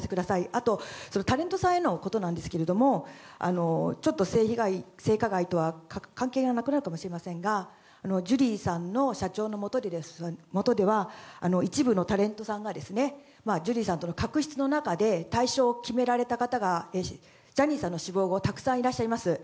あと、タレントさんへのことなんですけれどもちょっと性加害とは関係なくなるかもしれませんがジュリー社長のもとでは一部のタレントさんがジュリーさんとの確執の中で退所を決められた方がジャニーさんの死亡後たくさんいらっしゃいます。